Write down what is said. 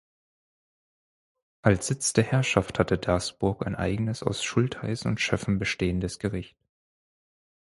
Als Sitz der Herrschaft hatte Dasburg ein eigenes aus Schultheissen und Schöffen bestehendes Gericht.